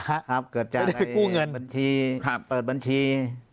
ครับเกิดจากบัญชีเปิดบัญชี